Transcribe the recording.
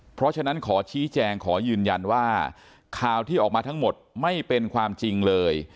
เพราะฉะนั้นขอชี้แจงขอยืนยันว่าข่าวที่ออกมาทั้งหมดไม่เป็นความจริงเลย